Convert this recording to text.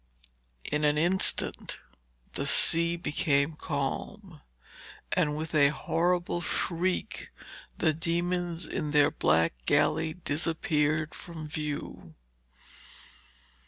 In an instant the sea became calm, and with a horrible shriek the demons in their black galley disappeared from view.